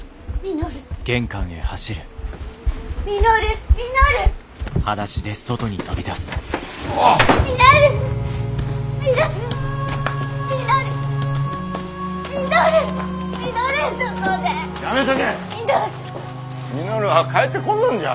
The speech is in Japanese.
稔は帰ってこんのんじゃ。